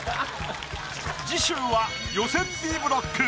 次週は予選Ｂブロック。